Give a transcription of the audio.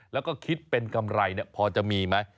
แล้วก็คิดเป็นกำไรพอจะมีไหม